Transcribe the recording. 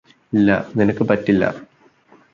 ഇല്ല നിനക്ക് പറ്റില്ല